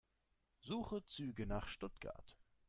Suche Züge nach Stuttgart.